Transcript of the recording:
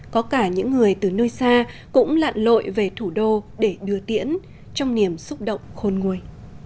có cả những người từ nơi xa cũng lặn lội về thủ đô để đưa tiễn trong niềm xúc động khôn nguồi